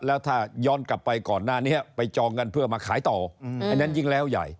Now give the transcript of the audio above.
แล้วถ้าย้อนกลับไปก่อนหน้านี้ไปจองกันเพื่อมาขายต่ออันนั้นยิ่งแล้วใหญ่